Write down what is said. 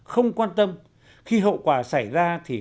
không quan tâm khi hậu quả xảy ra thì